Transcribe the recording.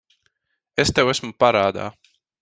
Es tev esmu parādā.